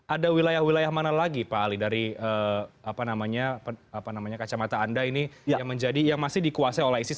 ada wilayah wilayah mana lagi pak ali dari kacamata anda ini yang masih dikuasai oleh isis